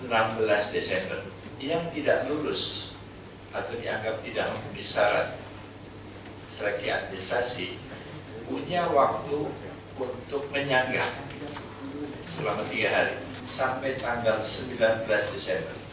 seleksi administrasi tanggal enam belas desember yang tidak lolos atau dianggap tidak mempunyai saran seleksi administrasi punya waktu untuk menyangga selama tiga hari sampai tanggal sembilan belas desember